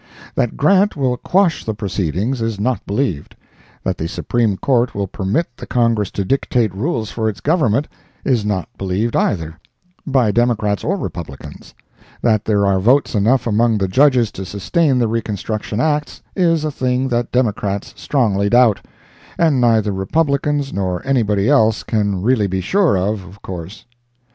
That Grant will quash the proceedings is not believed; that the Supreme Court will permit the Congress to dictate rules for its government, is not believed either, by Democrats or Republicans; that there are votes enough among the Judges to sustain the Reconstruction Acts, is a thing that Democrats strongly doubt, and neither Republicans nor anybody else can really be sure of, of course.